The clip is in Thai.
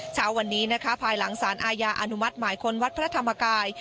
เช้าวันนี้นะคะภายหลังสารอาญาอนุมัติหมายคนวัดพระธรรมกาย